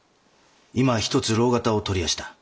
今一つ蝋型を取りやした。